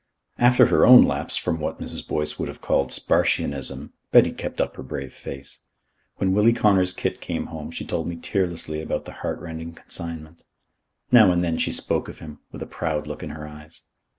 After her own lapse from what Mrs. Boyce would have called "Spartianism," Betty kept up her brave face. When Willie Connor's kit came home she told me tearlessly about the heartrending consignment. Now and then she spoke of him with a proud look in her eyes.